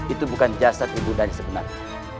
itu bukan jasad ibu dari sebenarnya